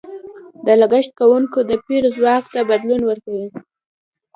د لګښت کوونکو د پېر ځواک ته بدلون ورکوي.